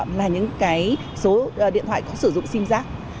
lựa chọn là những số điện thoại có sử dụng sim giác